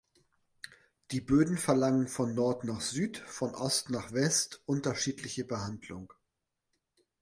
Die Böden verlangen von Nord nach Süd, von Ost nach West unterschiedliche Behandlung.